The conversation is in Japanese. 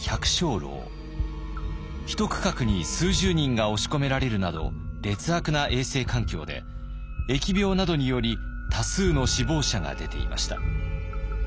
一区画に数十人が押し込められるなど劣悪な衛生環境で疫病などにより多数の死亡者が出ていました。